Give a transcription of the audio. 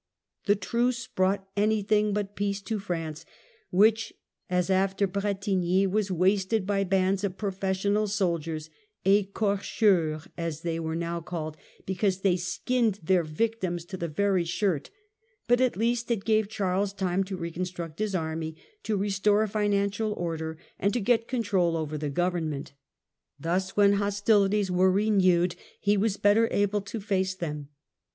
The truce brought anything but peace to France, which, as after Bretigny, was wasted by bands of professional soldiers, Ecorcheurs as they were now called, because they skinned their victims to the very shirt ; but at least it gave Charles time to recon struct his army, to restore financial order, and to get a control over the government. Thus when hostilities were renewed he was better able to face them.